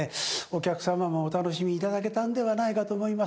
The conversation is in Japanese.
お客様もお楽しみいただけたんではないかと思います。